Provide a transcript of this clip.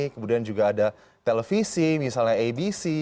kemudian juga ada televisi misalnya abc